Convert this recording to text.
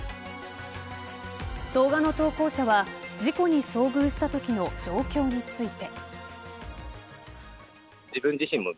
動画の投稿者は事故に遭遇したときの状況について。